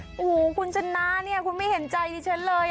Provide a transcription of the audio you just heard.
โอ้โหคุณชนะเนี่ยคุณไม่เห็นใจดิฉันเลย